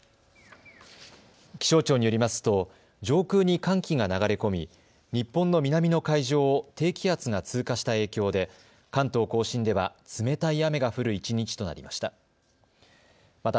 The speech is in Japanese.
気象庁によりますと上空に寒気が流れ込み日本の南の海上を低気圧が通過した影響で関東甲信では冷たい雨が降る一日となりました。